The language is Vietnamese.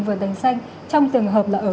vượt đằng xanh trong tường hợp là